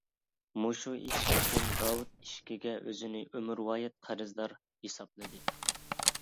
مۇشۇ ئىش ئۈچۈن داۋۇت ئېشىكىگە ئۆزىنى ئۆمۈرۋايەت قەرزدار ھېسابلىدى.